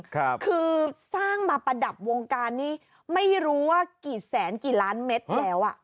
คือสร้างมาประดับวงการนี้ไม่รู้ว่ากี่แสนกี่ล้านเม็ดแล้วอ่ะ